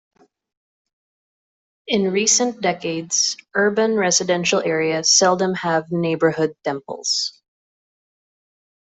In recent decades urban residential areas seldom have neighborhood temples.